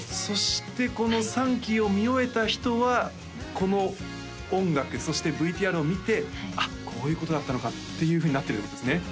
そしてこの３期を見終えた人はこの音楽そしてＶＴＲを見て「あっこういうことだったのか」っていうふうになってるってことですね？